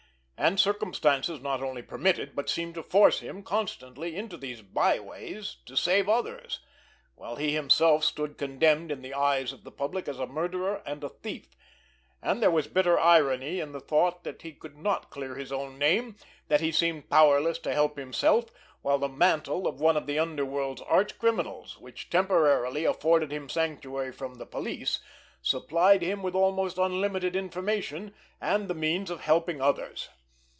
And circumstances not only permitted, but seemed to force him constantly into these byways to save others, while he himself stood condemned in the eyes of the public as a murderer and a thief; and there was bitter irony in the thought that he could not clear his own name, that he seemed powerless to help himself, while the mantle of one of the underworld's archcriminals, which temporarily afforded him sanctuary from the police, supplied him with almost unlimited information and the means of helping others!